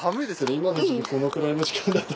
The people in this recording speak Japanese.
今の時期このくらいの時間だと。